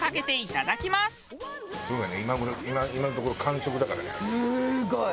すごい！